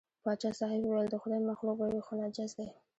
پاچا صاحب وویل د خدای مخلوق به وي خو نجس دی.